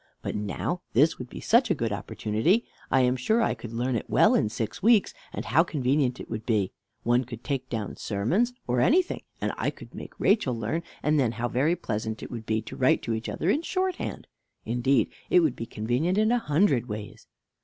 But now, this would be such a good opportunity. I am sure I could learn it well in six weeks; and how convenient it would be! One could take down sermons, or anything; and I could make Rachel learn, and then how very pleasant it would be to write to each other in shorthand! Indeed, it would be convenient in a hundred ways."